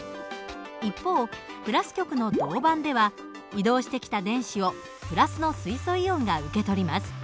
一方＋極の銅板では移動してきた電子を＋の水素イオンが受け取ります。